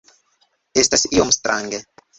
Estas iom strange